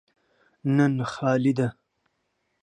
نن خالي ده.